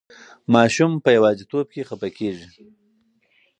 ماشوم په یوازې توب کې خفه کېږي.